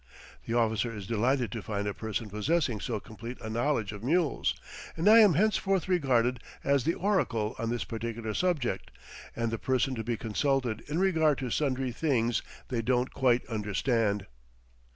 The officer is delighted to find a person possessing so complete a knowledge of mules, and I am henceforth regarded as the oracle on this particular subject, and the person to be consulted in regard to sundry things they don't quite understand.